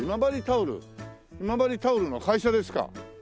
今治タオルの会社ですか？